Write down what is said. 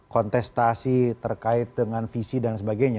kontestasi terkait dengan visi dan sebagainya